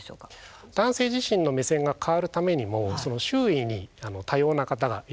男性自身の目線が変わるためにもその周囲に多様な方がいらっしゃる。